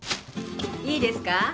いいですか？